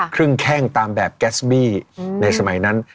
แข้งตามแบบแก๊สบี้ในสมัยนั้น